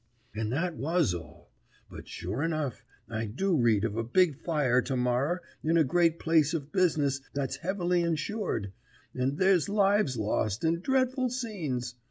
And that was all; but sure enough I do read of a big fire to morrer in a great place of business that's heavily insured, and there's lives lost and dreadful scenes.